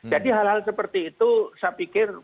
jadi hal hal seperti itu saya pikir